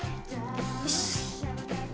よし。